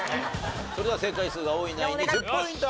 それでは正解数が多いナインに１０ポイント入ります。